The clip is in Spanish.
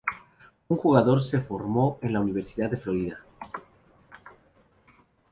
El jugador se formó en la Universidad de Florida.